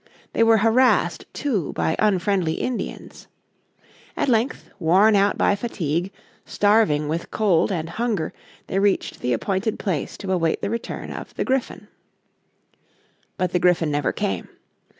They were harassed, too, by unfriendly Indians. At length, worn out by fatigue, starving with cold and hunger, they reached the appointed place to await the return of the Griffin. But the Griffin never came.